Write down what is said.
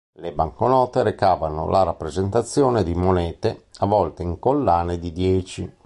Le banconote recavano la rappresentazione di monete, a volte in collane di dieci.